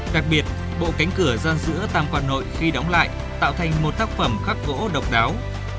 đặc biệt bộ cánh cửa ra giữa tam quan nội khi đóng lại tạo thành một tác phẩm khắc gỗ độc đáo